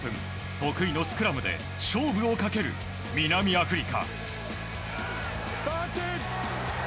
得意のスクラムで勝負をかける南アフリカ。